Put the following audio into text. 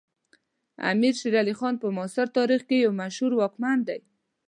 امیر شیر علی خان په معاصر تاریخ کې یو مشهور واکمن دی.